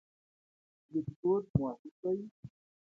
لیکدود مهم دی.